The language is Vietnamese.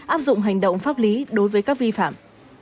áp dụng hành động pháp lý đối với các vi phạm